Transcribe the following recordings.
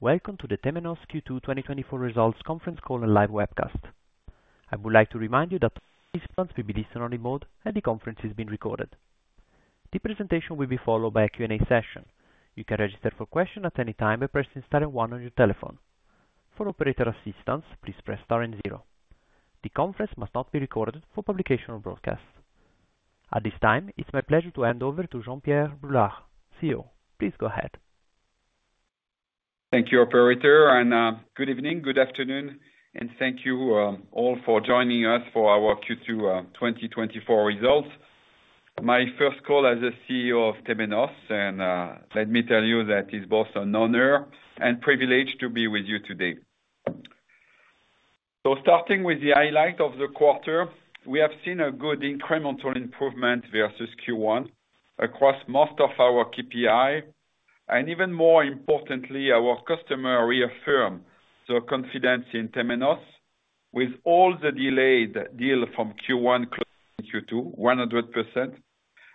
Welcome to the Temenos Q2 2024 results conference call and live webcast. I would like to remind you that this conference will be listen-only mode and the conference is being recorded. The presentation will be followed by a Q&A session. You can register for questions at any time by pressing Star and 1 on your telephone. For operator assistance, please press Star and 0. The conference must not be recorded for publication or broadcast. At this time, it's my pleasure to hand over to Jean-Pierre Brulard, CEO. Please go ahead. Thank you, Operator. Good evening, good afternoon, and thank you all for joining us for our Q2 2024 results. My first call as CEO of Temenos, and let me tell you that it's both an honor and privilege to be with you today. Starting with the highlight of the quarter, we have seen a good incremental improvement versus Q1 across most of our KPIs, and even more importantly, our customer reaffirmed their confidence in Temenos with all the delayed deals from Q1 closing to Q2, 100%,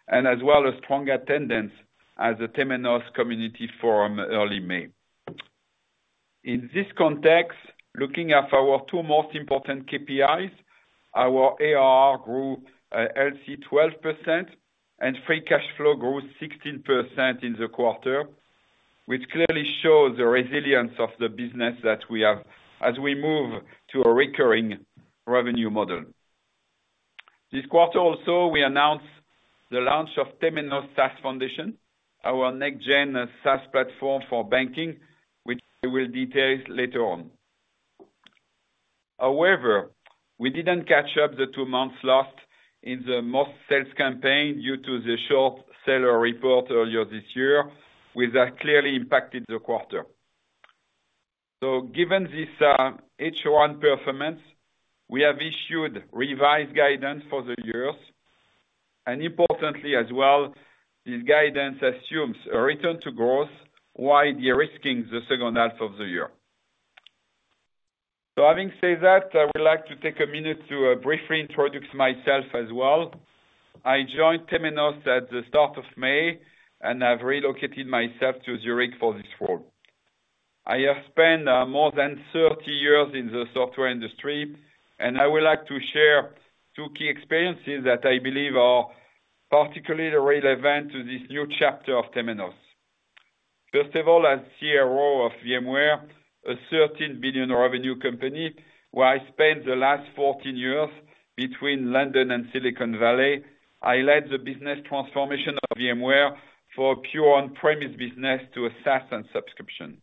and as well as strong attendance at the Temenos Community Forum early May. In this context, looking at our two most important KPIs, our ARR grew LC 12% and free cash flow grew 16% in the quarter, which clearly shows the resilience of the business that we have as we move to a recurring revenue model. This quarter also, we announced the launch of Temenos SaaS Foundation, our next-gen SaaS platform for banking, which I will detail later on. However, we didn't catch up the two months lost in the most sales campaign due to the short seller report earlier this year, which has clearly impacted the quarter. So given this H1 performance, we have issued revised guidance for the years. And importantly as well, this guidance assumes a return to growth while de-risking the second half of the year. So having said that, I would like to take a minute to briefly introduce myself as well. I joined Temenos at the start of May and have relocated myself to Zürich for this role. I have spent more than 30 years in the software industry, and I would like to share two key experiences that I believe are particularly relevant to this new chapter of Temenos. First of all, as CRO of VMware, a $13 billion revenue company, where I spent the last 14 years between London and Silicon Valley, I led the business transformation of VMware for pure on-premises business to SaaS and subscription.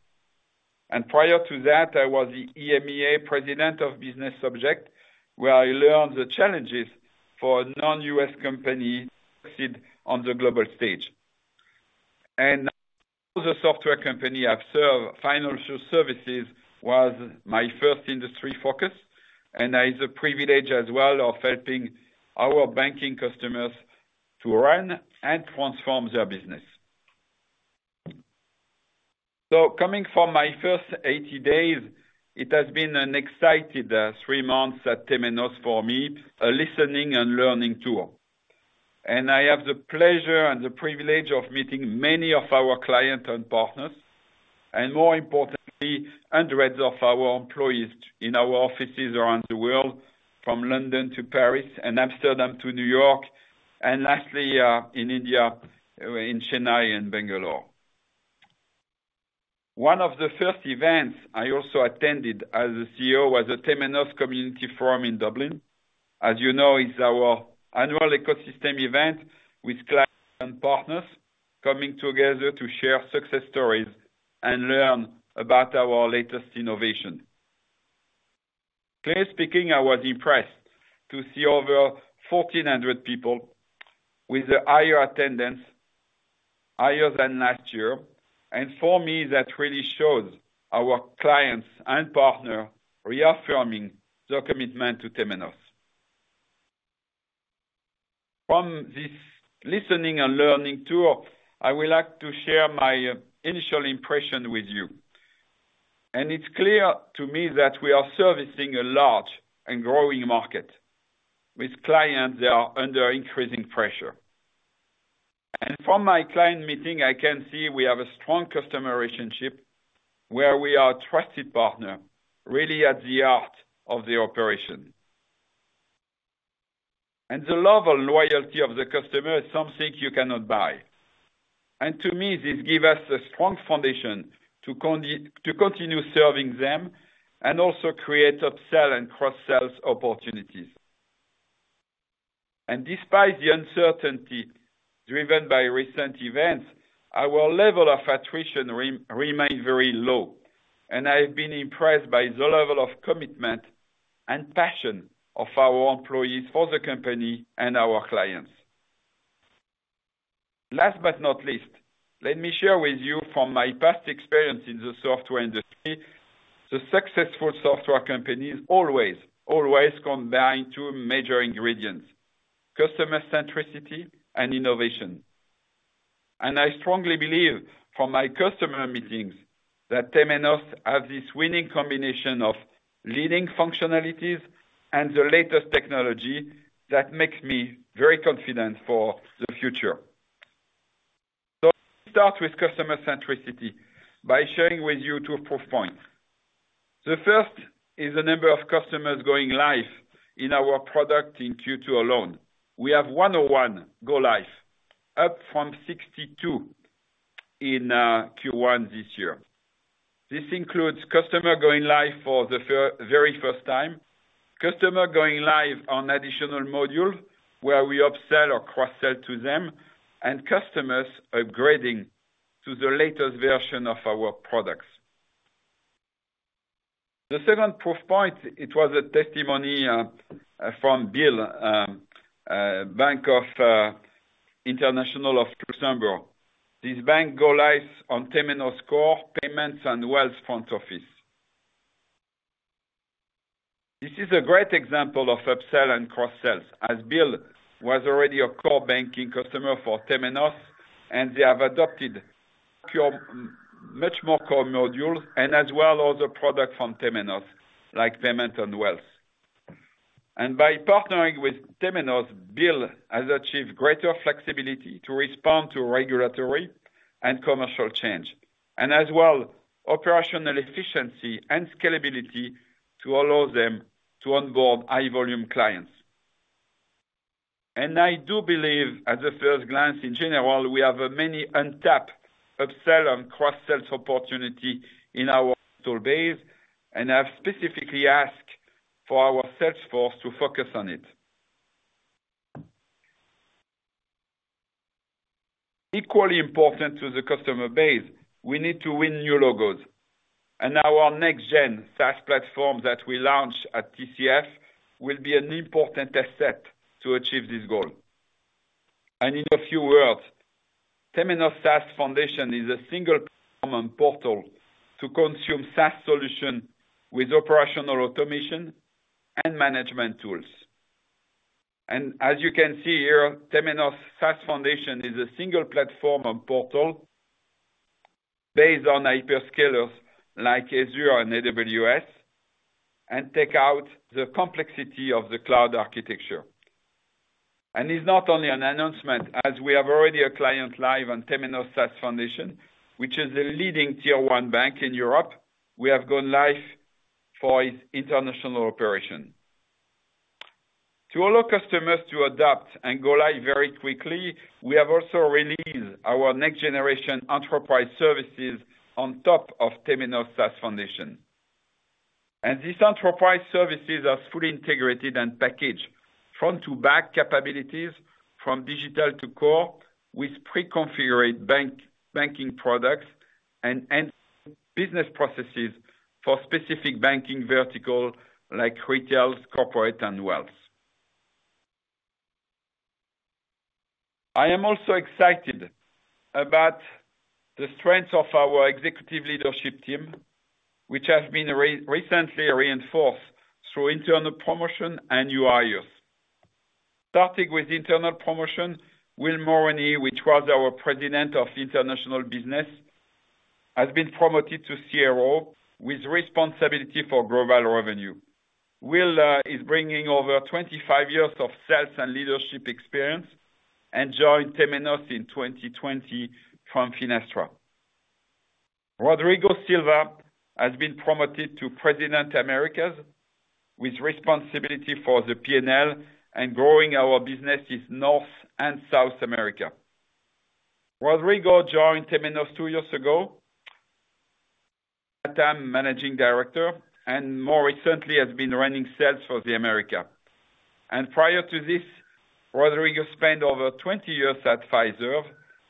Prior to that, I was the EMEA President of Business Objects, where I learned the challenges for a non-U.S. company to succeed on the global stage. As a software company, I've served financial services as my first industry focus, and I had the privilege as well of helping our banking customers to run and transform their business. Coming from my first 80 days, it has been an exciting three months at Temenos for me, a listening and learning tour. I have the pleasure and the privilege of meeting many of our clients and partners, and more importantly, hundreds of our employees in our offices around the world, from London to Paris and Amsterdam to New York, and lastly in India, in Chennai and Bangalore. One of the first events I also attended as a CEO was the Temenos Community Forum in Dublin. As you know, it's our annual ecosystem event with clients and partners coming together to share success stories and learn about our latest innovation. Clearly speaking, I was impressed to see over 1,400 people with higher attendance, higher than last year. For me, that really shows our clients and partners reaffirming their commitment to Temenos. From this listening and learning tour, I would like to share my initial impression with you. It's clear to me that we are servicing a large and growing market with clients that are under increasing pressure. From my client meeting, I can see we have a strong customer relationship where we are trusted partners, really at the heart of the operation. The love and loyalty of the customer is something you cannot buy. To me, this gives us a strong foundation to continue serving them and also create upsell and cross-sell opportunities. Despite the uncertainty driven by recent events, our level of attrition remained very low, and I've been impressed by the level of commitment and passion of our employees for the company and our clients. Last but not least, let me share with you from my past experience in the software industry, the successful software companies always, always combine two major ingredients: customer centricity and innovation. I strongly believe from my customer meetings that Temenos has this winning combination of leading functionalities and the latest technology that makes me very confident for the future. So let's start with customer centricity by sharing with you two proof points. The first is the number of customers going live in our product in Q2 alone. We have 101 go-lives, up from 62 in Q1 this year. This includes customers going live for the very first time, customers going live on additional modules where we upsell or cross-sell to them, and customers upgrading to the latest version of our products. The second proof point, it was a testimony from BIL, Banque Internationale à Luxembourg. This bank goes live on Temenos Core, Payments, and Wealth Funds Office. This is a great example of upsell and cross-sell as BIL was already a core banking customer for Temenos, and they have adopted much more core modules and as well as other products from Temenos like Payments and Wealth. By partnering with Temenos, BIL has achieved greater flexibility to respond to regulatory and commercial change, and as well operational efficiency and scalability to allow them to onboard high-volume clients. I do believe at the first glance in general, we have many untapped upsell and cross-sell opportunities in our customer base, and I have specifically asked for our sales force to focus on it. Equally important to the customer base, we need to win new logos, and our next-gen SaaS platform that we launch at TCF will be an important asset to achieve this goal. In a few words, Temenos SaaS Foundation is a single-platform portal to consume SaaS solutions with operational automation and management tools. As you can see here, Temenos SaaS Foundation is a single-platform portal based on hyperscalers like Azure and AWS and takes out the complexity of the cloud architecture. It's not only an announcement, as we have already a client live on Temenos SaaS Foundation, which is a leading tier-one bank in Europe. We have gone live for its international operation. To allow customers to adapt and go live very quickly, we have also released our next-generation enterprise services on top of Temenos SaaS Foundation. These enterprise services are fully integrated and packaged front-to-back capabilities from digital to core with pre-configured banking products and business processes for specific banking verticals like retail, corporate, and wealth. I am also excited about the strengths of our executive leadership team, which has been recently reinforced through internal promotion and hires. Starting with internal promotion, Will Moroney, which was our president of international business, has been promoted to CRO with responsibility for global revenue. Will is bringing over 25 years of sales and leadership experience and joined Temenos in 2020 from Finastra. Rodrigo Silva has been promoted to president of Americas with responsibility for the P&L and growing our businesses in North and South America. Rodrigo joined Temenos two years ago as a managing director, and more recently, he has been running sales for America. And prior to this, Rodrigo spent over 20 years at Fiserv,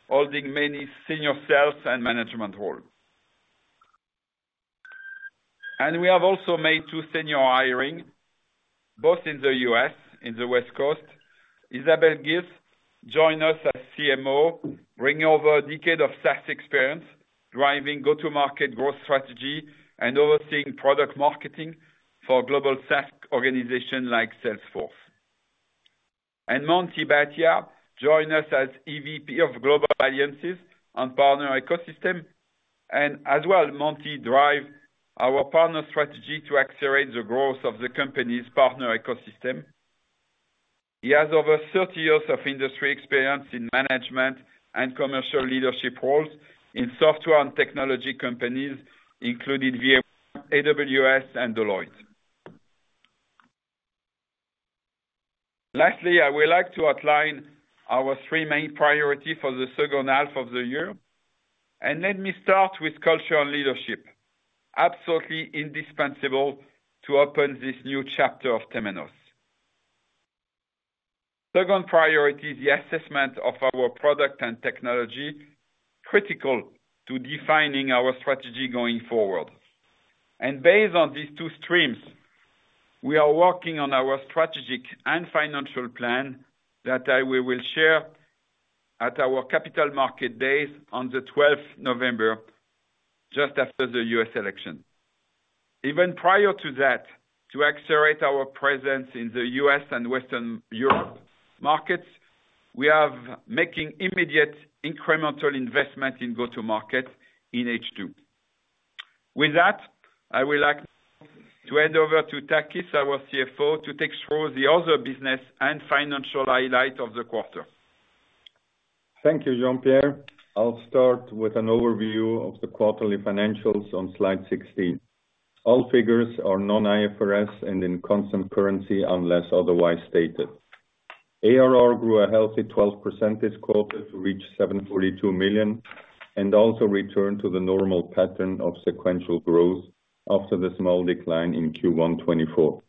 holding many senior sales and management roles. And we have also made two senior hirings, both in the U.S. and the West Coast. Isabelle Guis joined us as CMO, bringing over a decade of SaaS experience, driving go-to-market growth strategy, and overseeing product marketing for global SaaS organizations like Salesforce. Monty Bhatia joined us as EVP of Global Alliances and Partner Ecosystem, and as well, Monty drives our partner strategy to accelerate the growth of the company's partner ecosystem. He has over 30 years of industry experience in management and commercial leadership roles in software and technology companies including VMware, AWS, and Deloitte. Lastly, I would like to outline our three main priorities for the second half of the year. Let me start with culture and leadership, absolutely indispensable to open this new chapter of Temenos. Second priority is the assessment of our product and technology, critical to defining our strategy going forward. Based on these two streams, we are working on our strategic and financial plan that we will share at our capital market days on the 12th of November, just after the U.S. election. Even prior to that, to accelerate our presence in the U.S. and Western Europe markets, we are making immediate incremental investment in go-to-market in H2. With that, I would like to hand over to Takis, our CFO, to take through the other business and financial highlights of the quarter. Thank you, Jean-Pierre. I'll start with an overview of the quarterly financials on slide 16. All figures are non-IFRS and in constant currency unless otherwise stated. ARR grew a healthy 12% this quarter to reach $742 million and also returned to the normal pattern of sequential growth after the small decline in Q1-2024.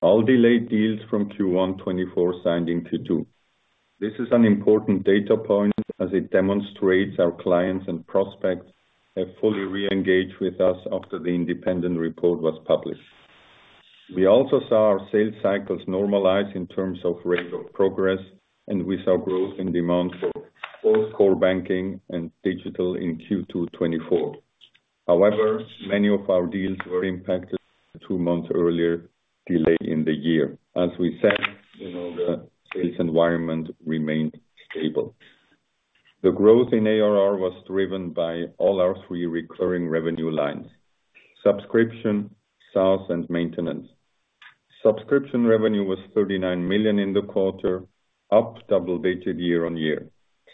All delayed deals from Q1-2024 signed in Q2-2024. This is an important data point as it demonstrates our clients and prospects have fully re-engaged with us after the independent report was published. We also saw our sales cycles normalize in terms of rate of progress, and we saw growth in demand for both core banking and digital in Q2 2024. However, many of our deals were impacted by a two-month earlier delay in the year. As we said, the sales environment remained stable. The growth in ARR was driven by all our three recurring revenue lines: subscription, SaaS, and maintenance. Subscription revenue was $39 million in the quarter, up double-digit year-on-year.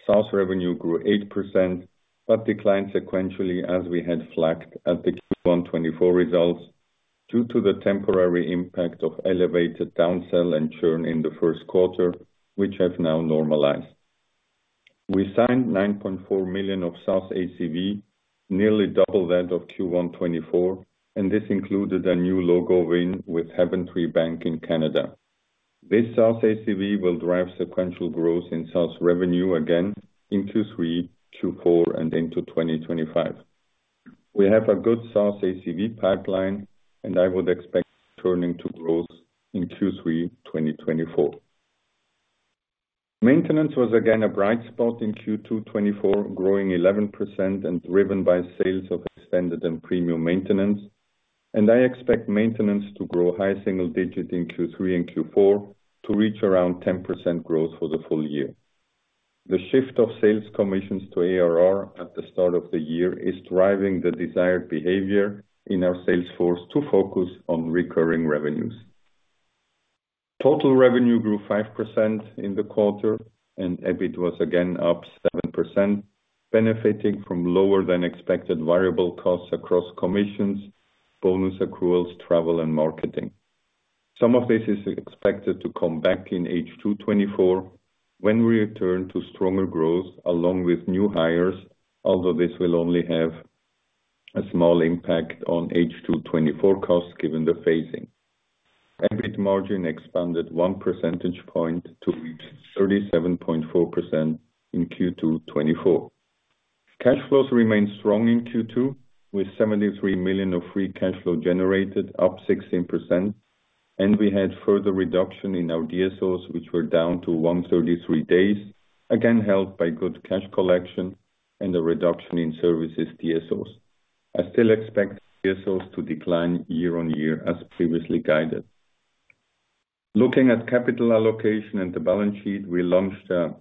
SaaS revenue grew 8% but declined sequentially as we had flagged at the Q1 2024 results due to the temporary impact of elevated downsell and churn in the first quarter, which have now normalized. We signed $9.4 million of SaaS ACV, nearly double that of Q1-2024, and this included a new logo win with Haventree Bank in Canada. This SaaS ACV will drive sequential growth in SaaS revenue again in Q3, Q4, and into 2025. We have a good SaaS ACV pipeline, and I would expect turning to growth in Q3-2024. Maintenance was again a bright spot in Q2-2024, growing 11% and driven by sales of extended and premium maintenance. I expect maintenance to grow high single-digit in Q3 and Q4 to reach around 10% growth for the full year. The shift of sales commissions to ARR at the start of the year is driving the desired behavior in our sales force to focus on recurring revenues. Total revenue grew 5% in the quarter, and EBIT was again up 7%, benefiting from lower-than-expected variable costs across commissions, bonus accruals, travel, and marketing. Some of this is expected to come back in H2 2024 when we return to stronger growth along with new hires, although this will only have a small impact on H2 2024 costs given the phasing. EBIT margin expanded 1 percentage point to reach 37.4% in Q2 2024. Cash flows remained strong in Q2 with $73 million of free cash flow generated, up 16%, and we had further reduction in our DSOs, which were down to 133 days, again helped by good cash collection and a reduction in services DSOs. I still expect DSOs to decline year-on-year as previously guided. Looking at capital allocation and the balance sheet, we launched a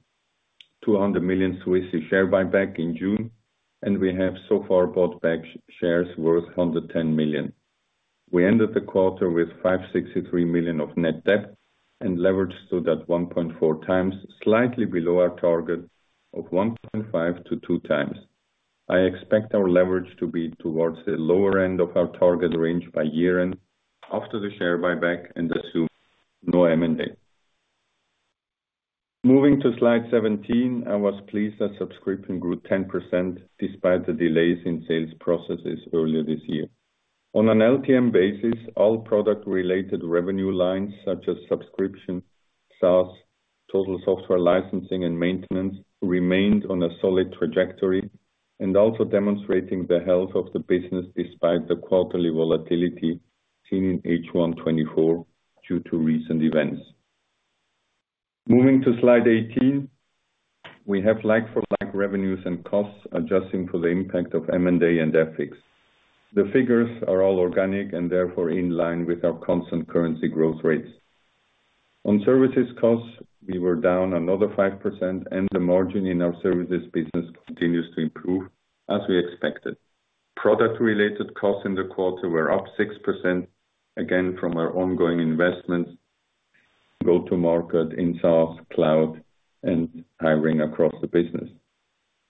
200 million Swiss share buyback in June, and we have so far bought back shares worth 110 million. We ended the quarter with $563 million of net debt and leverage stood at 1.4 times, slightly below our target of 1.5-2 times. I expect our leverage to be towards the lower end of our target range by year-end after the share buyback and assume no M&A. Moving to slide 17, I was pleased that subscription grew 10% despite the delays in sales processes earlier this year. On an LTM basis, all product-related revenue lines such as subscription, SaaS, total software licensing, and maintenance remained on a solid trajectory and also demonstrating the health of the business despite the quarterly volatility seen in H1-2024 due to recent events. Moving to slide 18, we have like-for-like revenues and costs adjusting for the impact of M&A and FX. The figures are all organic and therefore in line with our constant currency growth rates. On services costs, we were down another 5%, and the margin in our services business continues to improve as we expected. Product-related costs in the quarter were up 6%, again from our ongoing investments, go-to-market in SaaS, cloud, and hiring across the business.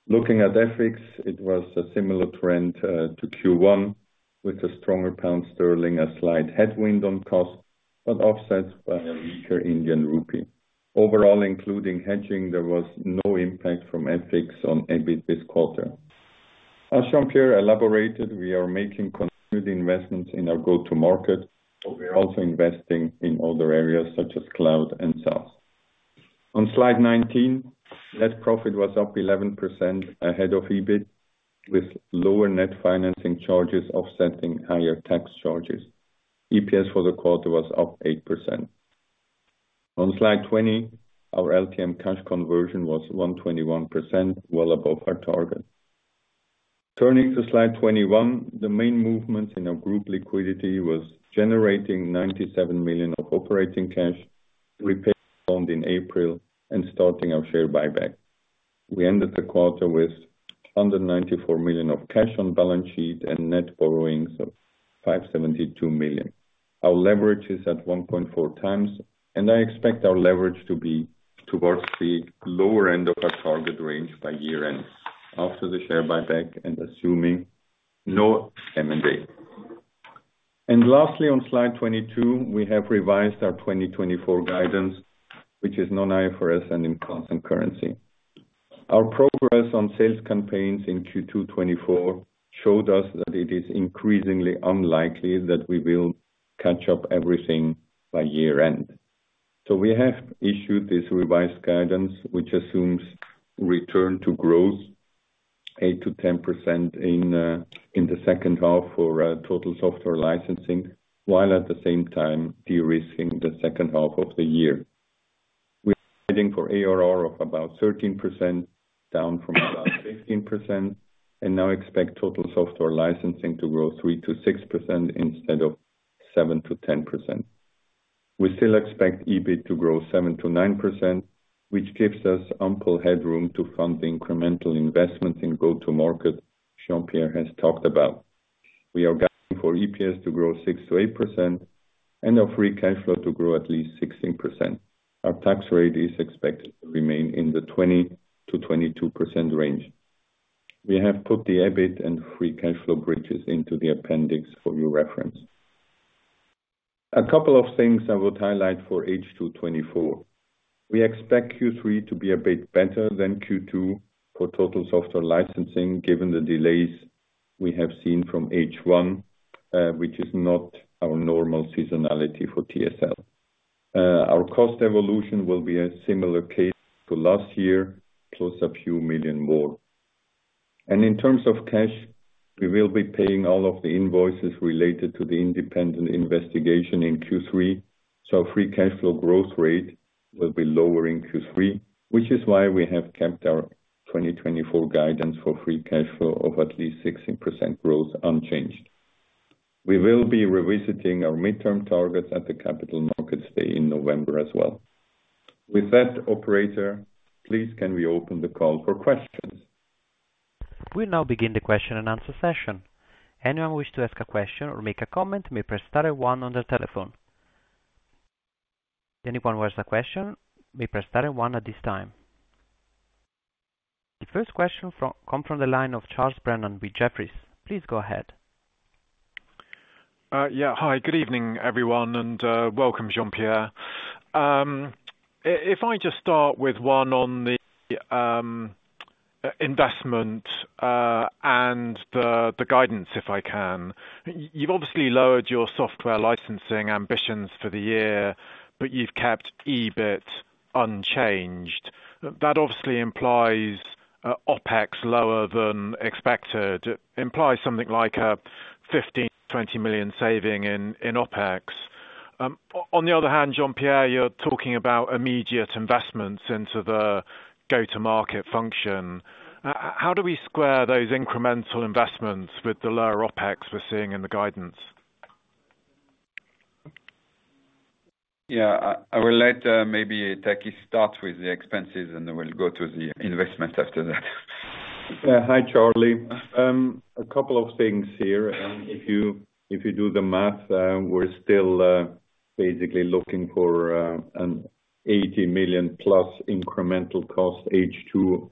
Looking at FX, it was a similar trend to Q1 with a stronger pound sterling, a slight headwind on costs, but offset by a weaker Indian rupee. Overall, including hedging, there was no impact from FX on EBIT this quarter. As Jean-Pierre elaborated, we are making continued investments in our go-to-market, but we are also investing in other areas such as cloud and SaaS. On slide 19, net profit was up 11% ahead of EBIT with lower net financing charges offsetting higher tax charges. EPS for the quarter was up 8%. On slide 20, our LTM cash conversion was 121%, well above our target. Turning to slide 21, the main movement in our group liquidity was generating $97 million of operating cash, repaying loans in April, and starting our share buyback. We ended the quarter with $194 million of cash on balance sheet and net borrowings of $572 million. Our leverage is at 1.4x, and I expect our leverage to be towards the lower end of our target range by year-end after the share buyback and assuming no M&A. Lastly, on slide 22, we have revised our 2024 guidance, which is non-IFRS and in constant currency. Our progress on sales campaigns in Q2 2024 showed us that it is increasingly unlikely that we will catch up everything by year-end. We have issued this revised guidance, which assumes return to growth 8%-10% in the second half for total software licensing, while at the same time de-risking the second half of the year. We are heading for ARR of about 13%, down from about 15%, and now expect total software licensing to grow 3%-6% instead of 7%-10%. We still expect EBIT to grow 7%-9%, which gives us ample headroom to fund the incremental investments in go-to-market Jean-Pierre has talked about. We are guiding for EPS to grow 6%-8% and our free cash flow to grow at least 16%. Our tax rate is expected to remain in the 20%-22% range. We have put the EBIT and free cash flow bridges into the appendix for your reference. A couple of things I would highlight for H2 2024. We expect Q3 to be a bit better than Q2 for total software licensing given the delays we have seen from H1, which is not our normal seasonality for TSL. Our cost evolution will be a similar case to last year, plus a few $ million more. In terms of cash, we will be paying all of the invoices related to the independent investigation in Q3, so our free cash flow growth rate will be lower in Q3, which is why we have kept our 2024 guidance for free cash flow of at least 16% growth unchanged. We will be revisiting our midterm targets at the capital markets day in November as well. With that, operator, please, can we open the call for questions? We'll now begin the question and answer session. Anyone wish to ask a question or make a comment may press star 1 on the telephone. If anyone has a question, may press star 1 at this time. The first question comes from the line of Charles Brennan with Jefferies. Please go ahead. Yeah. Hi, good evening, everyone, and welcome, Jean-Pierre. If I just start with one on the investment and the guidance, if I can. You've obviously lowered your software licensing ambitions for the year, but you've kept EBIT unchanged. That obviously implies OPEX lower than expected, implies something like a $15-$20 million saving in OPEX. On the other hand, Jean-Pierre, you're talking about immediate investments into the go-to-market function. How do we square those incremental investments with the lower OPEX we're seeing in the guidance? Yeah. I will let maybe Takis start with the expenses, and we'll go to the investments after that. Hi, Charlie. A couple of things here. If you do the math, we're still basically looking for a $80 million plus incremental cost H2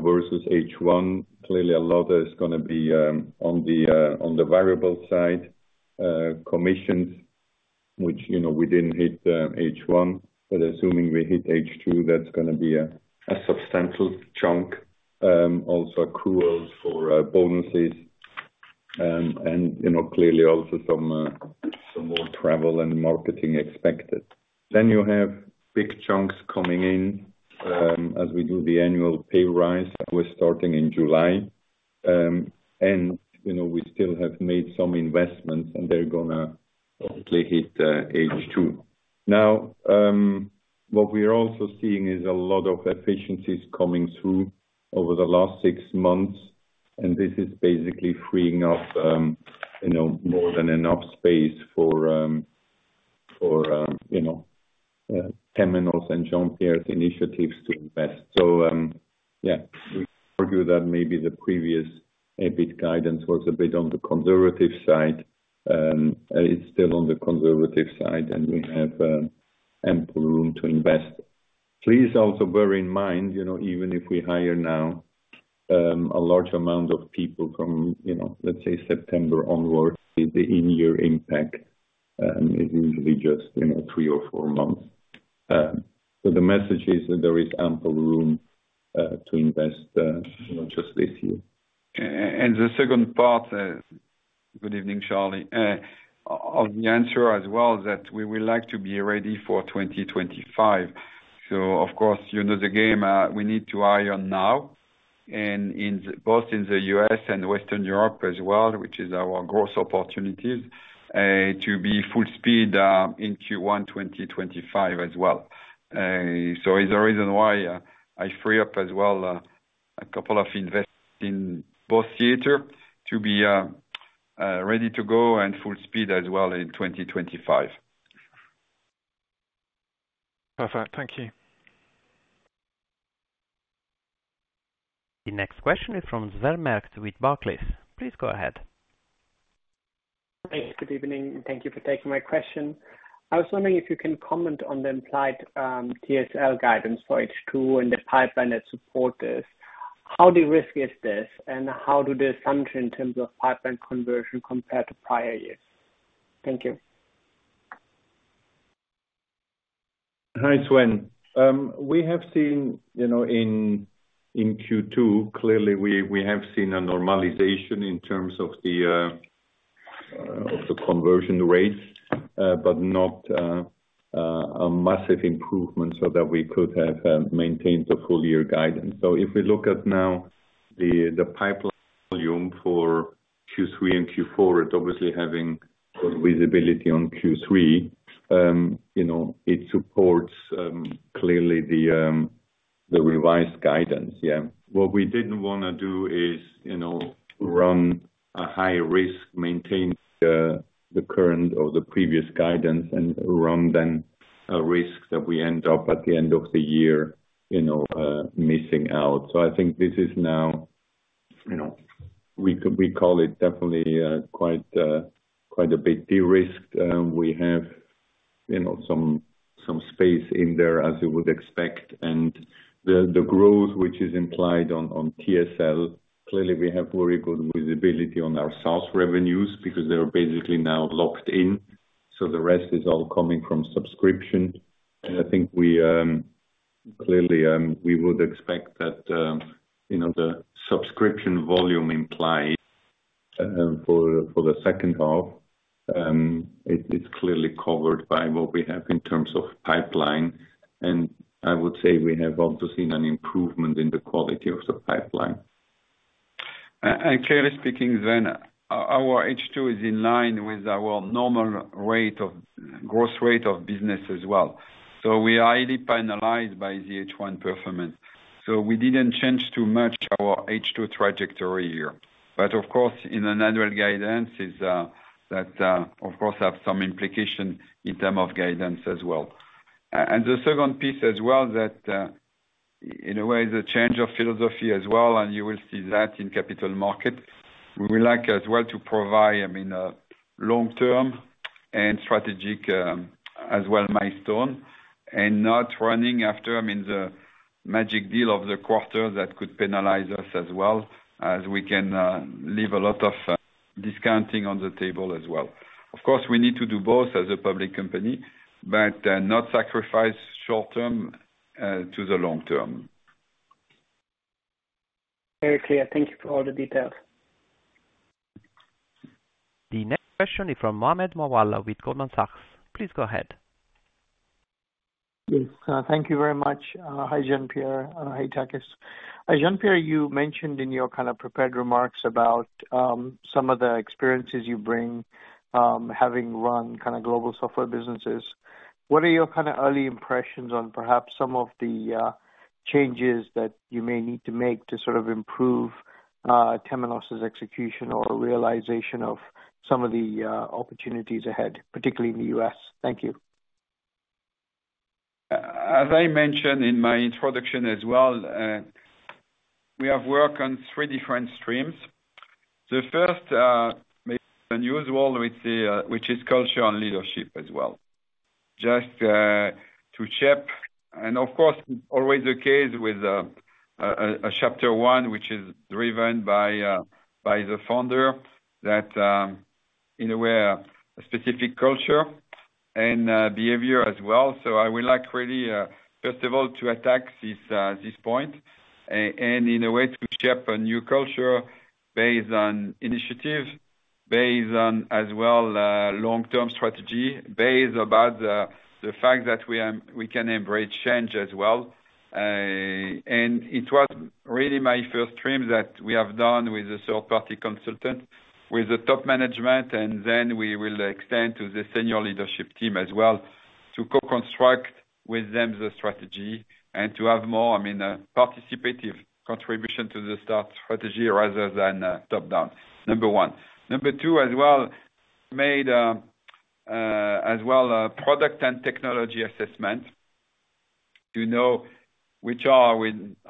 versus H1. Clearly, a lot of it is going to be on the variable side. Commissions, which we didn't hit H1, but assuming we hit H2, that's going to be a substantial chunk. Also, accruals for bonuses. And clearly, also some more travel and marketing expected. Then you have big chunks coming in as we do the annual pay rise that we're starting in July. And we still have made some investments, and they're going to hopefully hit H2. Now, what we are also seeing is a lot of efficiencies coming through over the last six months, and this is basically freeing up more than enough space for Temenos and Jean-Pierre's initiatives to invest. So yeah, we argue that maybe the previous EBIT guidance was a bit on the conservative side. It's still on the conservative side, and we have ample room to invest. Please also bear in mind, even if we hire now a large amount of people from, let's say, September onward, the in-year impact is usually just three or four months. But the message is that there is ample room to invest just this year. And the second part, good evening, Charlie, of the answer as well is that we would like to be ready for 2025. So of course, you know the game. We need to hire now, both in the U.S. and Western Europe as well, which is our growth opportunities, to be full speed in Q1 2025 as well. So it's the reason why I free up as well a couple of investments in both theaters to be ready to go and full speed as well in 2025. Perfect. Thank you. The next question is from Sven Merkt with Barclays. Please go ahead. Hey, good evening, and thank you for taking my question. I was wondering if you can comment on the implied TSL guidance for H2 and the pipeline that supports this. How de-risked is this, and how do the assumptions in terms of pipeline conversion compared to prior years? Thank you. Hi, Sven. We have seen in Q2, clearly, we have seen a normalization in terms of the conversion rate, but not a massive improvement so that we could have maintained the full-year guidance. So if we look at now the pipeline volume for Q3 and Q4, it's obviously having good visibility on Q3. It supports clearly the revised guidance. Yeah. What we didn't want to do is run a high-risk, maintain the current or the previous guidance, and run then a risk that we end up at the end of the year missing out. So I think this is now, we call it definitely quite a bit de-risked. We have some space in there as you would expect. And the growth, which is implied on TSL, clearly, we have very good visibility on our SaaS revenues because they're basically now locked in. So the rest is all coming from subscription. And I think clearly, we would expect that the subscription volume implied for the second half, it's clearly covered by what we have in terms of pipeline. And I would say we have obviously seen an improvement in the quality of the pipeline. Clearly speaking, Sven, our H2 is in line with our normal rate of growth rate of business as well. We are highly penalized by the H1 performance. We didn't change too much our H2 trajectory here. Of course, in annual guidance, that of course has some implication in terms of guidance as well. The second piece as well that in a way is a change of philosophy as well, and you will see that in capital markets. We would like as well to provide, I mean, a long-term and strategic as well milestone and not running after, I mean, the magic deal of the quarter that could penalize us as well as we can leave a lot of discounting on the table as well. Of course, we need to do both as a public company, but not sacrifice short-term to the long-term. Very clear. Thank you for all the details. The next question is from Mohammed Moawalla with Goldman Sachs. Please go ahead. Yes. Thank you very much. Hi, Jean-Pierre. Hi, Takis. Jean-Pierre, you mentioned in your kind of prepared remarks about some of the experiences you bring having run kind of global software businesses. What are your kind of early impressions on perhaps some of the changes that you may need to make to sort of improve Temenos's execution or realization of some of the opportunities ahead, particularly in the U.S.? Thank you. As I mentioned in my introduction as well, we have worked on three different streams. The first, maybe the newest one, which is culture and leadership as well. Just to check. And of course, it's always the case with a chapter one, which is driven by the founder, that in a way, a specific culture and behavior as well. So I would like really, first of all, to attack this point and in a way to shape a new culture based on initiative, based on as well long-term strategy, based about the fact that we can embrace change as well. And it was really my first stream that we have done with a third-party consultant, with the top management, and then we will extend to the senior leadership team as well to co-construct with them the strategy and to have more, I mean, participative contribution to the strategy rather than top-down. Number one. Number two as well, made as well a product and technology assessment to know which are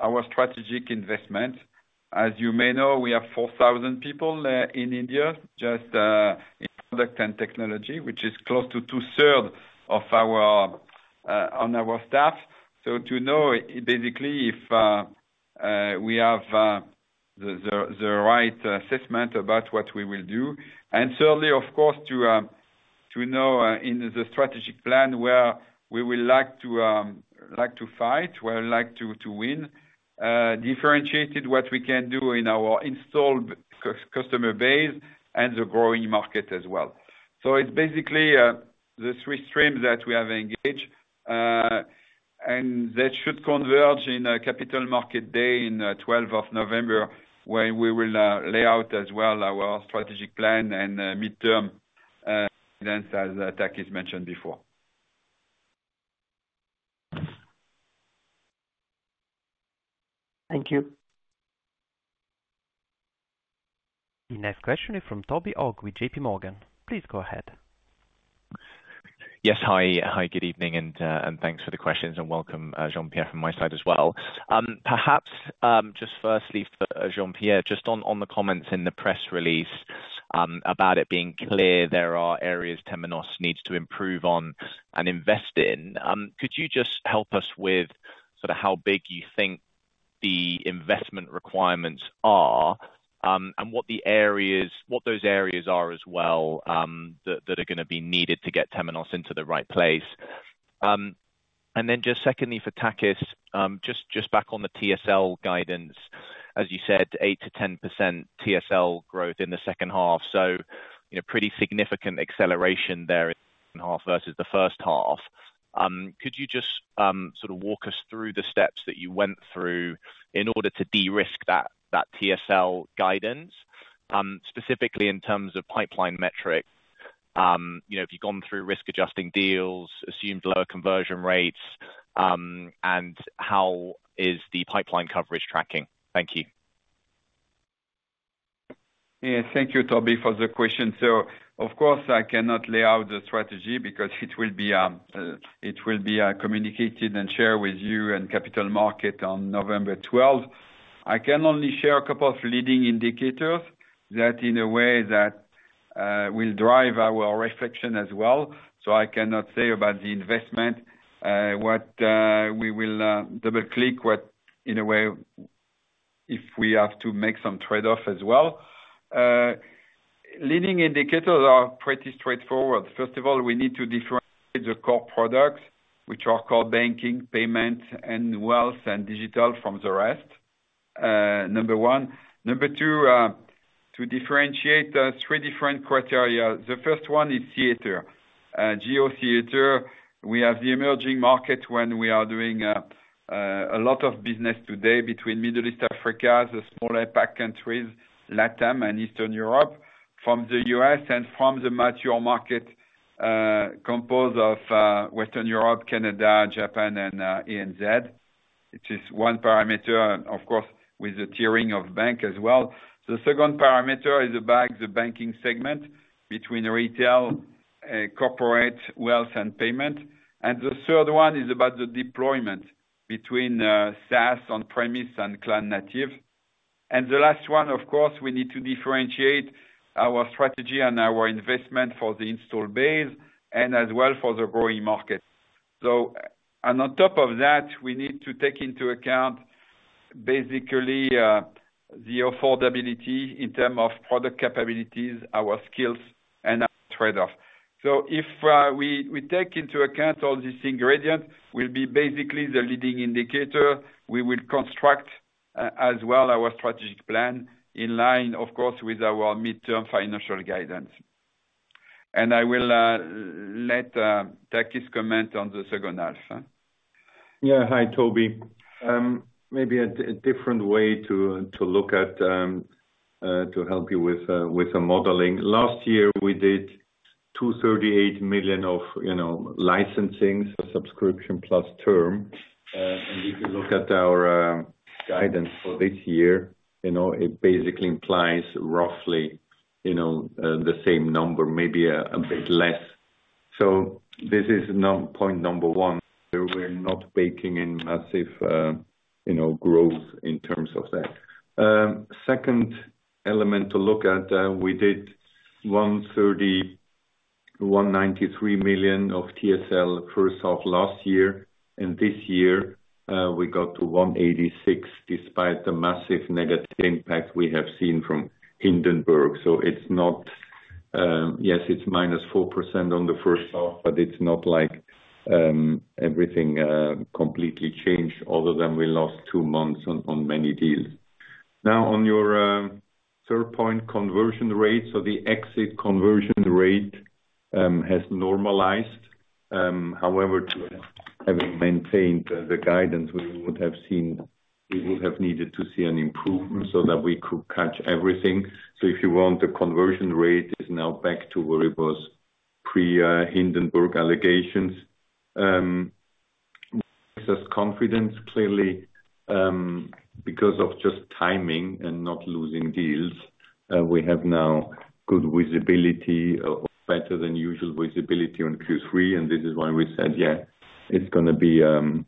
our strategic investments. As you may know, we have 4,000 people in India, just in product and technology, which is close to two-thirds of our staff. So to know basically if we have the right assessment about what we will do. And thirdly, of course, to know in the strategic plan where we would like to fight, where we would like to win, differentiated what we can do in our installed customer base and the growing market as well. So it's basically the three streams that we have engaged, and that should converge in a capital market day in 12th of November when we will lay out as well our strategic plan and midterm guidance, as Takis mentioned before. Thank you. The next question is from Toby Ogg with JPMorgan. Please go ahead. Yes. Hi. Hi, good evening, and thanks for the questions, and welcome, Jean-Pierre, from my side as well. Perhaps just firstly for Jean-Pierre, just on the comments in the press release about it being clear there are areas Temenos needs to improve on and invest in. Could you just help us with sort of how big you think the investment requirements are and what those areas are as well that are going to be needed to get Temenos into the right place? And then just secondly for Takis, just back on the TSL guidance, as you said, 8%-10% TSL growth in the second half. So pretty significant acceleration there in the second half versus the first half. Could you just sort of walk us through the steps that you went through in order to de-risk that TSL guidance, specifically in terms of pipeline metrics? If you've gone through risk-adjusting deals, assumed lower conversion rates, and how is the pipeline coverage tracking? Thank you. Yeah. Thank you, Toby, for the question. So of course, I cannot lay out the strategy because it will be communicated and shared with you and capital market on November 12th. I can only share a couple of leading indicators that in a way that will drive our reflection as well. So I cannot say about the investment what we will double-click what in a way if we have to make some trade-off as well. Leading indicators are pretty straightforward. First of all, we need to differentiate the core products, which are called banking, payment, and wealth, and digital from the rest. Number 1. Number 2, to differentiate 3 different criteria. The first one is theater. Geo-theater. We have the emerging market where we are doing a lot of business today between Middle East, Africa, the small APAC countries, LATAM, and Eastern Europe from the U.S. and from the mature market composed of Western Europe, Canada, Japan, and ANZ. It is one parameter, of course, with the tiering of banks as well. The second parameter is about the banking segment between retail, corporate, wealth, and payments. And the third one is about the deployment between SaaS, on-premises, and cloud-native. And the last one, of course, we need to differentiate our strategy and our investment for the installed base and as well for the growing market. So on top of that, we need to take into account basically the affordability in terms of product capabilities, our skills, and our trade-off. So if we take into account all these ingredients, we'll be basically the leading indicator. We will construct as well our strategic plan in line, of course, with our midterm financial guidance. And I will let Takis comment on the second half. Yeah. Hi, Toby. Maybe a different way to look at to help you with modeling. Last year, we did $238 million of licensing for subscription plus term. And if you look at our guidance for this year, it basically implies roughly the same number, maybe a bit less. So this is point number one. We're not baking in massive growth in terms of that. Second element to look at, we did $193 million of TSL first half last year. And this year, we got to $186 million despite the massive negative impact we have seen from Hindenburg. So it's not yes, it's -4% on the first half, but it's not like everything completely changed, other than we lost two months on many deals. Now, on your third point, conversion rate. So the exit conversion rate has normalized. However, having maintained the guidance, we would have seen we would have needed to see an improvement so that we could catch everything. So if you want, the conversion rate is now back to where it was pre-Hindenburg allegations. It gives us confidence clearly because of just timing and not losing deals. We have now good visibility, better than usual visibility on Q3. And this is why we said, "Yeah, it's going to be an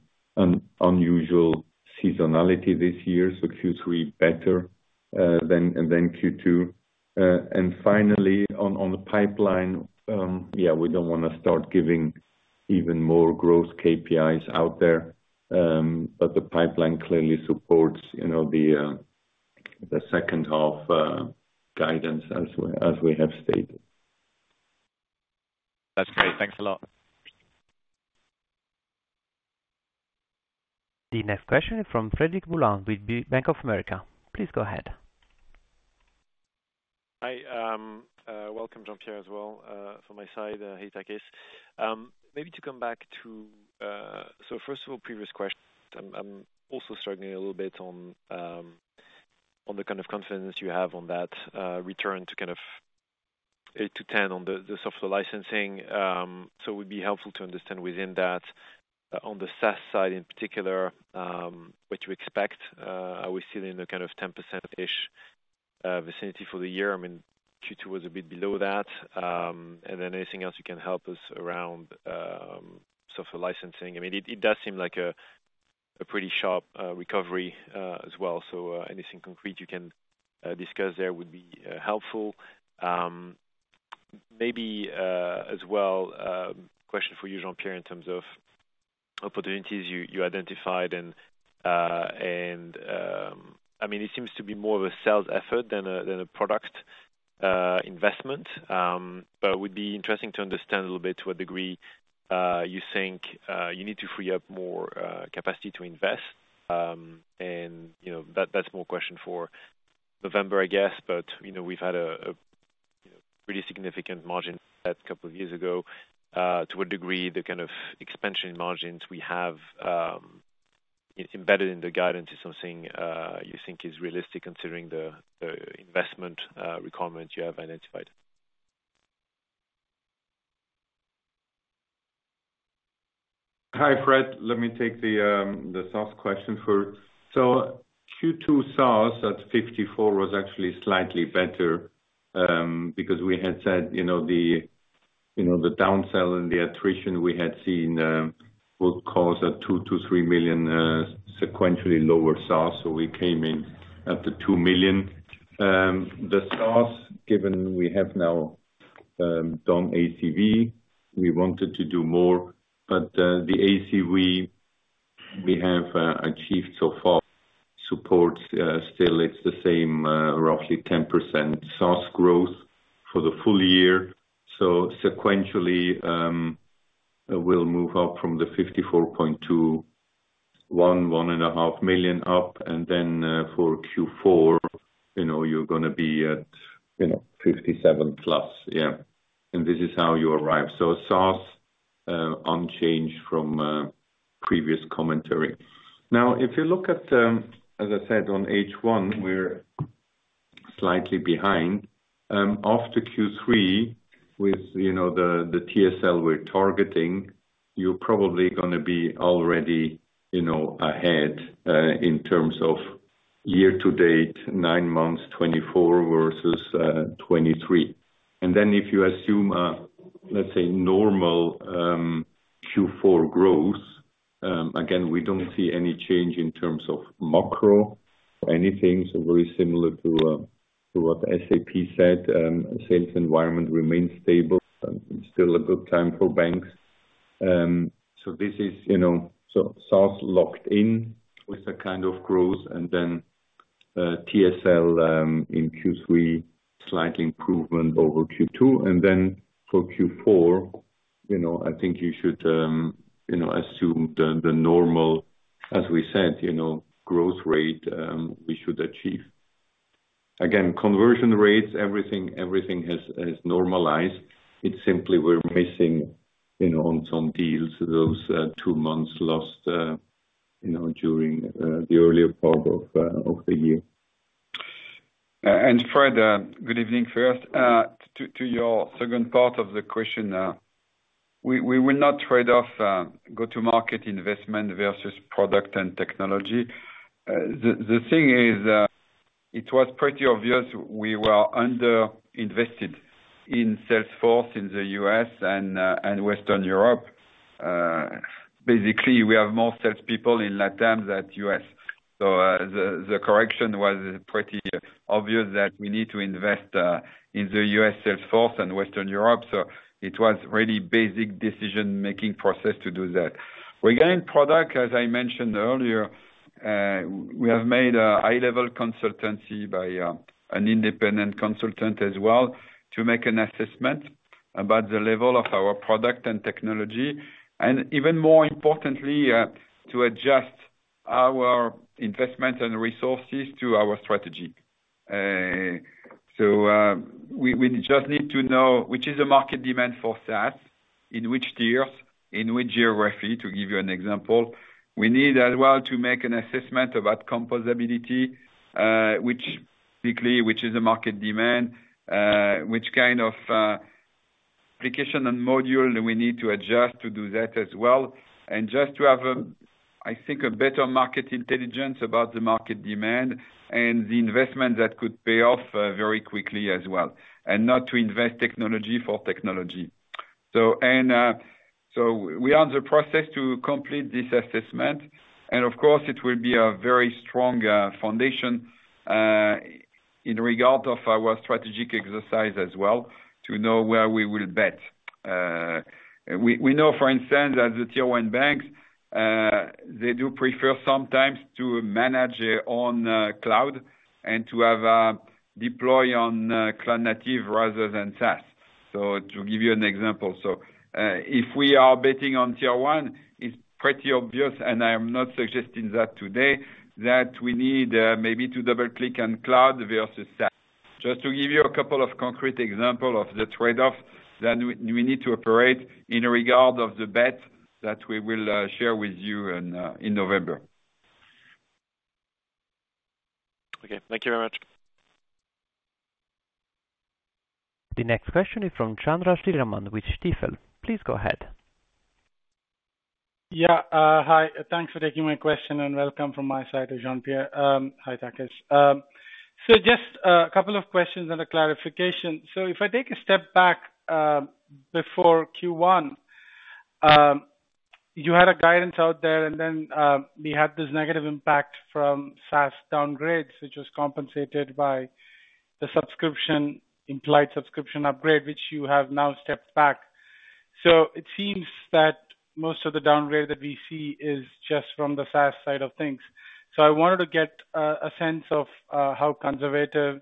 unusual seasonality this year." So Q3 better than Q2. And finally, on the pipeline, yeah, we don't want to start giving even more growth KPIs out there. But the pipeline clearly supports the second half guidance as we have stated. That's great. Thanks a lot. The next question is from Frederic Boulan with Bank of America. Please go ahead. Hi. Welcome, Jean-Pierre, as well from my side. Hey Takis. Maybe to come back to, so first of all, previous questions. I'm also struggling a little bit on the kind of confidence you have on that return to kind of 8-10 on the software licensing. So it would be helpful to understand within that, on the SaaS side in particular, what you expect. Are we still in the kind of 10%-ish vicinity for the year? I mean, Q2 was a bit below that. And then anything else you can help us around software licensing? I mean, it does seem like a pretty sharp recovery as well. So anything concrete you can discuss there would be helpful. Maybe as well, question for you, Jean-Pierre, in terms of opportunities you identified. And I mean, it seems to be more of a sales effort than a product investment. But it would be interesting to understand a little bit to what degree you think you need to free up more capacity to invest. And that's more question for November, I guess. But we've had a pretty significant margin set a couple of years ago. To what degree the kind of expansion margins we have embedded in the guidance is something you think is realistic considering the investment requirement you have identified? Hi, Fred. Let me take the SaaS question first. So Q2 SaaS at $54 million was actually slightly better because we had said the downsell and the attrition we had seen would cause a $2 million-$3 million sequentially lower SaaS. So we came in at the $2 million. The SaaS, given we have now done ACV, we wanted to do more. But the ACV we have achieved so far supports still, it's the same, roughly 10% SaaS growth for the full year. So sequentially, we'll move up from the $54.2 million, $11.5 million up. And then for Q4, you're going to be at $57+ million. Yeah. And this is how you arrive. So SaaS unchanged from previous commentary. Now, if you look at, as I said, on H1, we're slightly behind. After Q3, with the TSL we're targeting, you're probably going to be already ahead in terms of year-to-date, nine months, 2024 versus 2023. And then if you assume, let's say, normal Q4 growth, again, we don't see any change in terms of macro or anything. So very similar to what SAP said, sales environment remains stable. It's still a good time for banks. So this is SaaS locked in with the kind of growth. And then TSL in Q3, slight improvement over Q2. And then for Q4, I think you should assume the normal, as we said, growth rate we should achieve. Again, conversion rates, everything has normalized. It's simply we're missing on some deals, those two months lost during the earlier part of the year. And Fred, good evening first. To your second part of the question, we will not trade-off go-to-market investment versus product and technology. The thing is, it was pretty obvious we were underinvested in sales force in the U.S. and Western Europe. Basically, we have more salespeople in LATAM than U.S. So the correction was pretty obvious that we need to invest in the U.S. sales force and Western Europe. So it was really basic decision-making process to do that. Regarding product, as I mentioned earlier, we have made a high-level consultancy by an independent consultant as well to make an assessment about the level of our product and technology. Even more importantly, to adjust our investment and resources to our strategy. We just need to know which is the market demand for SaaS, in which tiers, in which geography, to give you an example. We need as well to make an assessment about composability, which is the market demand, which kind of application and module we need to adjust to do that as well. And just to have, I think, a better market intelligence about the market demand and the investment that could pay off very quickly as well. And not to invest technology for technology. We are in the process to complete this assessment. Of course, it will be a very strong foundation in regard of our strategic exercise as well to know where we will bet. We know, for instance, as the tier one banks, they do prefer sometimes to manage their own cloud and to have a deploy on cloud native rather than SaaS. So to give you an example, so if we are betting on tier one, it's pretty obvious, and I am not suggesting that today, that we need maybe to double-click on cloud versus SaaS. Just to give you a couple of concrete examples of the trade-offs that we need to operate in regard of the bet that we will share with you in November. Okay. Thank you very much. The next question is from Chandra Sriraman with Stifel. Please go ahead. Yeah. Hi. Thanks for taking my question and welcome from my side to Jean-Pierre. Hi, Takis. So just a couple of questions and a clarification. So if I take a step back before Q1, you had a guidance out there, and then we had this negative impact from SaaS downgrades, which was compensated by the implied subscription upgrade, which you have now stepped back. So it seems that most of the downgrade that we see is just from the SaaS side of things. So I wanted to get a sense of how conservative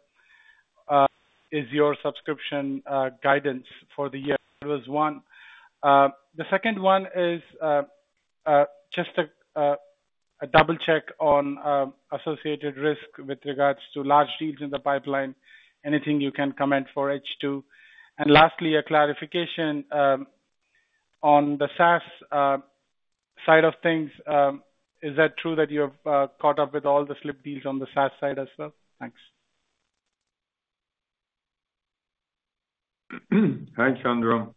is your subscription guidance for the year. That was one. The second one is just a double-check on associated risk with regards to large deals in the pipeline. Anything you can comment for H2. And lastly, a clarification on the SaaS side of things. Is that true that you have caught up with all the slip deals on the SaaS side as well? Thanks. Hi, Chandra.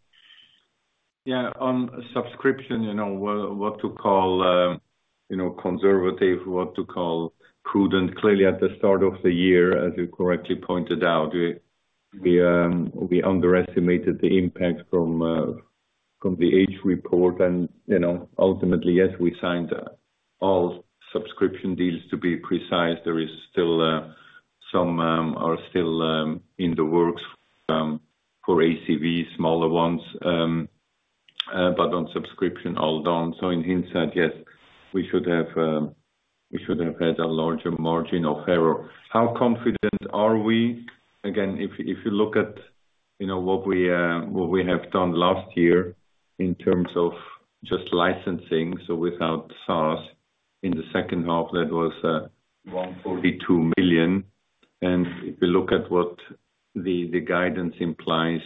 Yeah. On subscription, what to call conservative, what to call prudent. Clearly, at the start of the year, as you correctly pointed out, we underestimated the impact from the H report. And ultimately, yes, we signed all subscription deals. To be precise, there are still some in the works for ACV, smaller ones. But on subscription, all done. So in hindsight, yes, we should have had a larger margin of error. How confident are we? Again, if you look at what we have done last year in terms of just licensing, so without SaaS, in the second half, that was $142 million. And if you look at what the guidance implies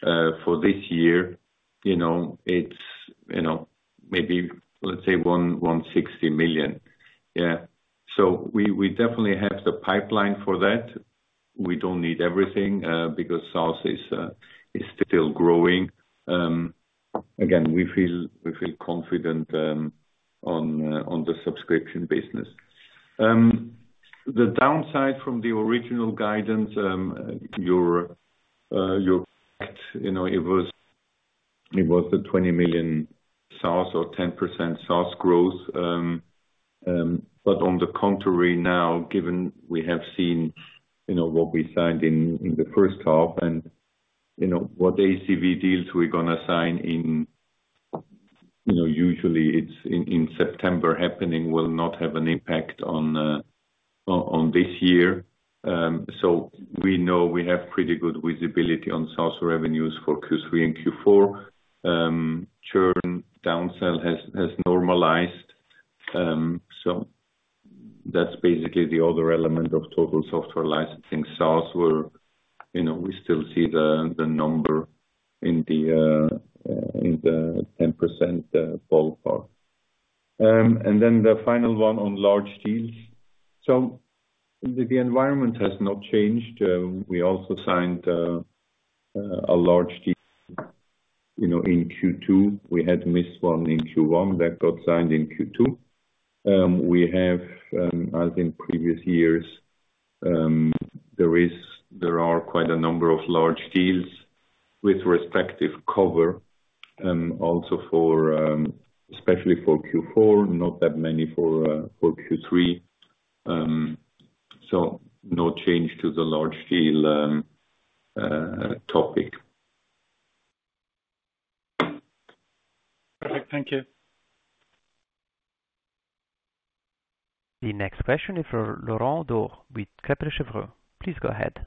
for this year, it's maybe, let's say, $160 million. Yeah. So we definitely have the pipeline for that. We don't need everything because SaaS is still growing. Again, we feel confident on the subscription business. The downside from the original guidance, you're expecting, it was the $20 million SaaS or 10% SaaS growth. But on the contrary, now, given we have seen what we signed in the first half and what ACV deals we're going to sign in, usually in September, happening will not have an impact on this year. So we know we have pretty good visibility on SaaS revenues for Q3 and Q4. Churn downsell has normalized. So that's basically the other element of total software licensing SaaS where we still see the number in the 10% ballpark. And then the final one on large deals. So the environment has not changed. We also signed a large deal in Q2. We had missed one in Q1 that got signed in Q2. We have, as in previous years, there are quite a number of large deals with respective cover also for especially for Q4, not that many for Q3. So no change to the large deal topic. Perfect. Thank you. The next question is for Laurent Daure with Kepler Cheuvreux. Please go ahead.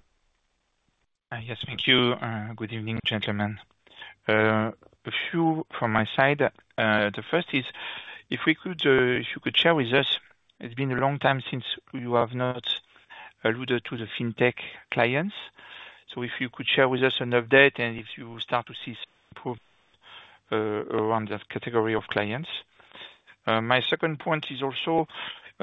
Yes. Thank you. Good evening, gentlemen. A few from my side. The first is, if you could share with us, it's been a long time since you have not alluded to the fintech clients. So if you could share with us an update and if you start to see some improvement around that category of clients. My second point is also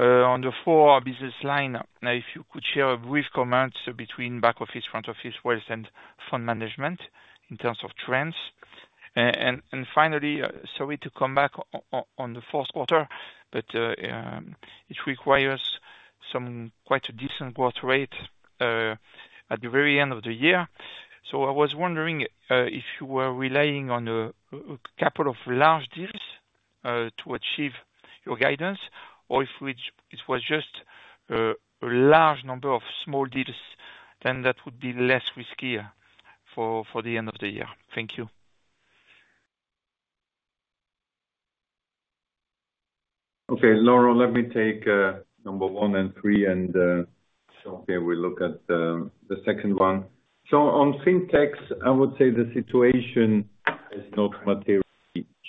on the four business line, if you could share a brief comment between back office, front office, wealth, and fund management in terms of trends. Finally, sorry to come back on the fourth quarter, but it requires some quite a decent growth rate at the very end of the year. So I was wondering if you were relying on a couple of large deals to achieve your guidance, or if it was just a large number of small deals, then that would be less risky for the end of the year. Thank you. Okay. Laurent, let me take number one and three. Okay, we look at the second one. So on fintechs, I would say the situation has not materially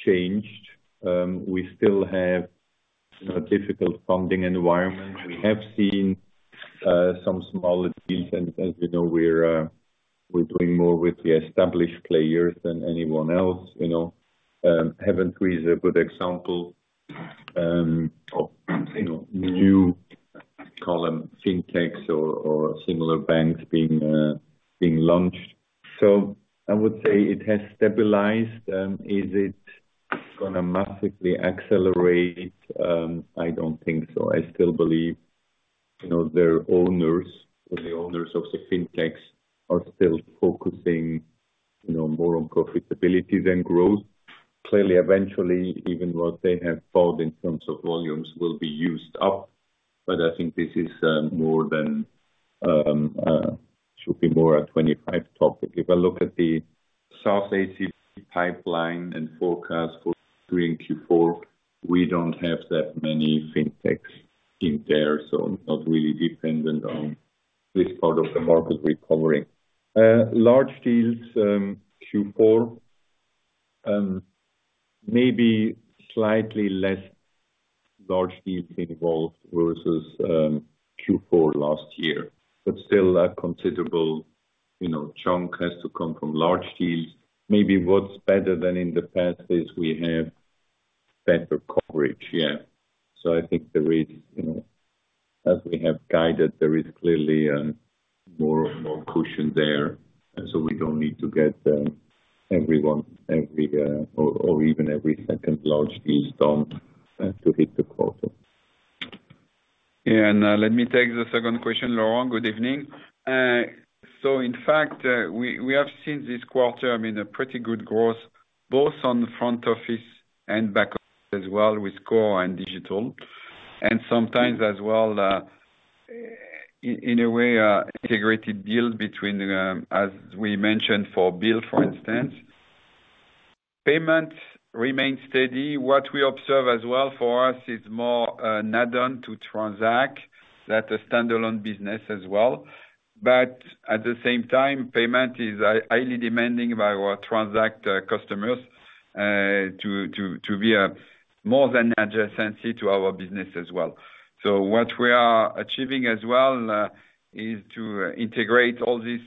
changed. We still have a difficult funding environment. We have seen some smaller deals. And as we know, we're doing more with the established players than anyone else. Haventree is a good example of new column fintechs or similar banks being launched. So I would say it has stabilized. Is it going to massively accelerate? I don't think so. I still believe their owners, the owners of the fintechs, are still focusing more on profitability than growth. Clearly, eventually, even what they have bought in terms of volumes will be used up. But I think this is more of a 2025 topic. If I look at the SaaS ACV pipeline and forecast for Q3 and Q4, we don't have that many fintechs in there. So not really dependent on this part of the market recovering. Large deals in Q4, maybe slightly less large deals involved versus Q4 last year. But still, a considerable chunk has to come from large deals. Maybe what's better than in the past is we have better coverage. Yeah. So I think there is, as we have guided, there is clearly more cushion there. And so we don't need to get everyone or even every second large deal done to hit the quarter. Yeah. And let me take the second question, Laurent. Good evening. So in fact, we have seen this quarter, I mean, a pretty good growth, both on front office and back office as well with core and digital. And sometimes as well, in a way, integrated deal between, as we mentioned, for Will, for instance. Payments remain steady. What we observe as well for us is more an add-on to Transact. That's a standalone business as well. But at the same time, payment is highly demanding by our Transact customers to be more than adjacency to our business as well. So what we are achieving as well is to integrate all this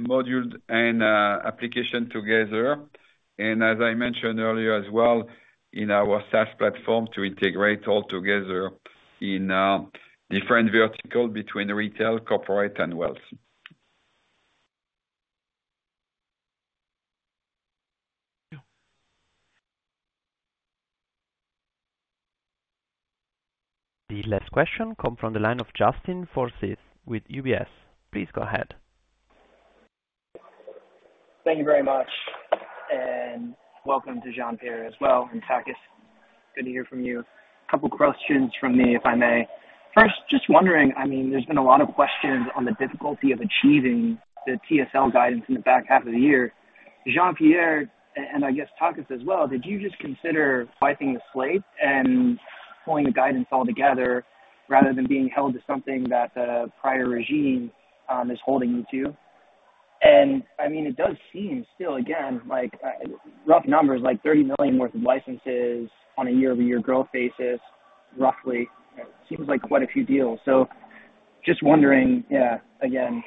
module and application together. And as I mentioned earlier as well, in our SaaS platform to integrate all together in different verticals between retail, corporate, and wealth. The last question comes from the line of Justin Forsythe with UBS. Please go ahead. Thank you very much. And welcome to Jean-Pierre as well and Takis. Good to hear from you. A couple of questions from me, if I may. First, just wondering, I mean, there's been a lot of questions on the difficulty of achieving the TSL guidance in the back half of the year. Jean-Pierre, and I guess Takis as well, did you just consider wiping the slate and pulling the guidance all together rather than being held to something that the prior regime is holding you to? And I mean, it does seem still, again, like rough numbers, like $30 million worth of licenses on a year-over-year growth basis, roughly. It seems like quite a few deals. So just wondering, yeah, again,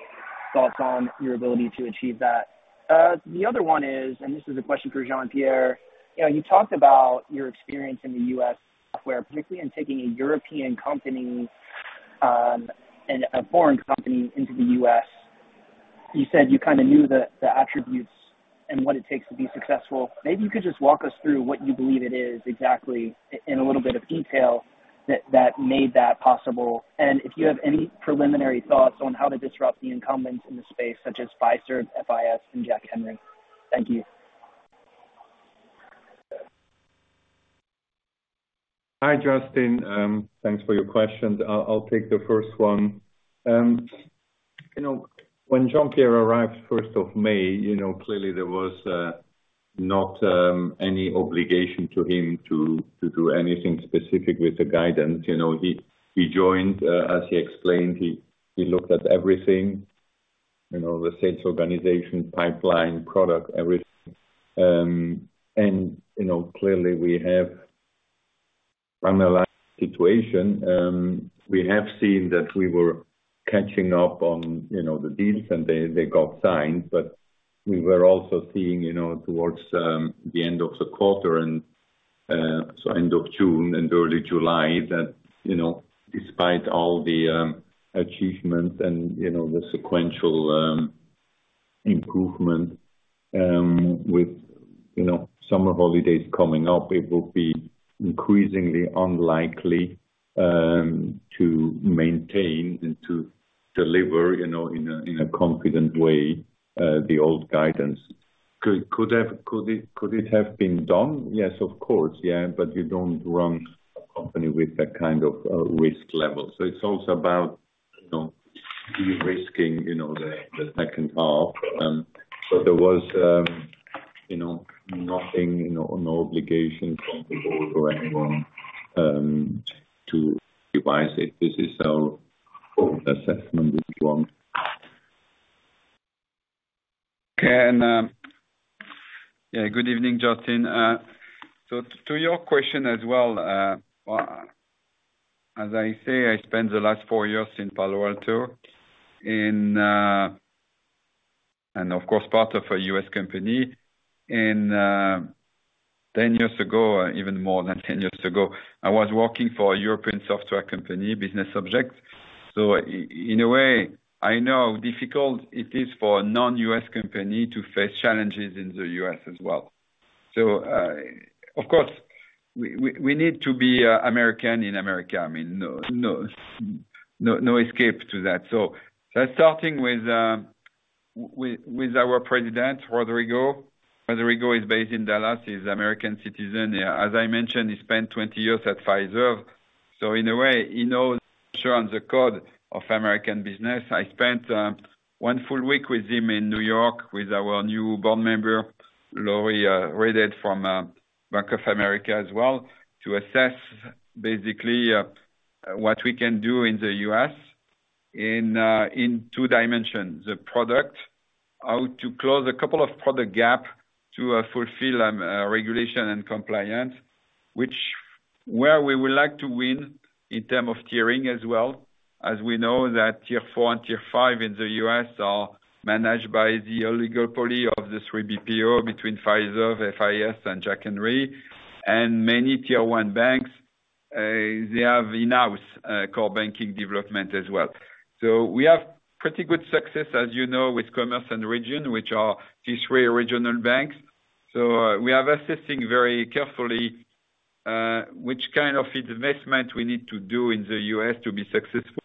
thoughts on your ability to achieve that. The other one is, and this is a question for Jean-Pierre, you talked about your experience in the U.S. software, particularly in taking a European company and a foreign company into the U.S. You said you kind of knew the attributes and what it takes to be successful. Maybe you could just walk us through what you believe it is exactly in a little bit of detail that made that possible. And if you have any preliminary thoughts on how to disrupt the incumbents in the space, such as Pfizer, FIS, and Jack Henry. Thank you. Hi, Justin. Thanks for your questions. I'll take the first one. When Jean-Pierre arrived 1st of May, clearly, there was not any obligation to him to do anything specific with the guidance. He joined, as he explained. He looked at everything, the sales organization, pipeline, product, everything. Clearly, we have an alarming situation. We have seen that we were catching up on the deals, and they got signed. But we were also seeing towards the end of the quarter, so end of June and early July that despite all the achievements and the sequential improvement with summer holidays coming up, it will be increasingly unlikely to maintain and to deliver in a confident way the old guidance. Could it have been done? Yes, of course. Yeah. But you don't run a company with that kind of risk level. So it's also about de-risking the second half. But there was nothing, no obligation from the board or anyone to revise it. This is our own assessment if you want. Yeah. Good evening, Justin. So to your question as well, as I say, I spent the last four years in Palo Alto and, of course, part of a U.S. company. And 10 years ago, even more than 10 years ago, I was working for a European software company, Business Objects. So in a way, I know how difficult it is for a non-U.S. company to face challenges in the U.S. as well. So of course, we need to be American in America. I mean, no escape to that. So starting with our president, Rodrigo. Rodrigo is based in Dallas. He's an American citizen. As I mentioned, he spent 20 years at Pfizer. So in a way, he knows the churn, the code of American business. I spent one full week with him in New York with our new board member, Laurie Readhead from Bank of America as well, to assess basically what we can do in the U.S. in two dimensions. The product, how to close a couple of product gaps to fulfill regulation and compliance, which where we would like to win in terms of tiering as well. As we know, that Tier four and Tier five in the U.S. are managed by the oligopoly of the three BPOs between Pfizer, FIS, and Jack Henry. And many Tier one banks, they have in-house core banking development as well. So we have pretty good success, as you know, with Commerce Bank and Regions Bank, which are Tier three regional banks. So we are assessing very carefully which kind of investment we need to do in the U.S. to be successful,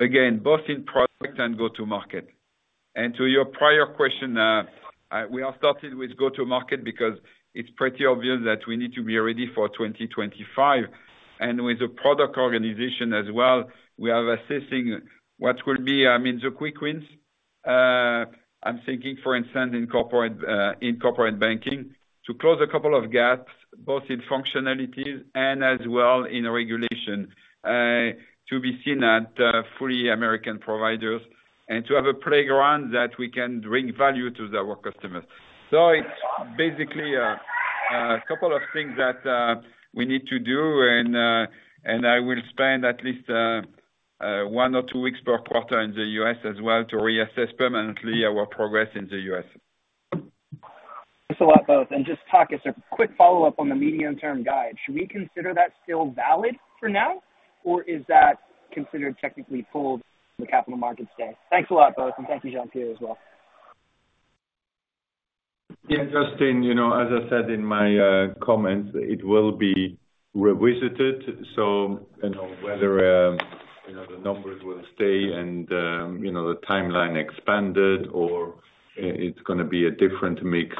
again, both in product and go-to-market. And to your prior question, we are starting with go-to-market because it's pretty obvious that we need to be ready for 2025. And with the product organization as well, we are assessing what will be, I mean, the quick wins. I'm thinking, for instance, in corporate banking to close a couple of gaps, both in functionalities and as well in regulation, to be seen at fully American providers and to have a playground that we can bring value to our customers. So it's basically a couple of things that we need to do. And I will spend at least one or two weeks per quarter in the U.S. as well to reassess permanently our progress in the U.S. Thanks a lot, both. And just, Takis, a quick follow-up on the medium-term guide. Should we consider that still valid for now, or is that considered technically pulled from the capital markets today? Thanks a lot, both. And thank you, Jean-Pierre, as well. Yeah. Justin, as I said in my comments, it will be revisited. So whether the numbers will stay and the timeline expanded or it's going to be a different mix,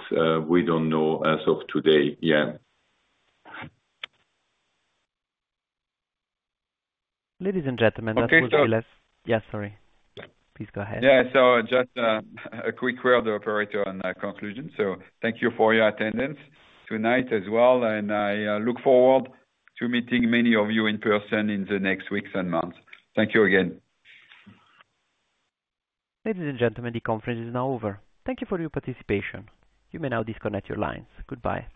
we don't know as of today yet. Ladies and gentlemen. That's all. Okay. So yes. Yeah. Sorry. Please go ahead. Yeah. So just a quick word, the operator, on conclusion. So thank you for your attendance tonight as well. And I look forward to meeting many of you in person in the next weeks and months. Thank you again. Ladies and gentlemen, the conference is now over. Thank you for your participation. You may now disconnect your lines. Goodbye.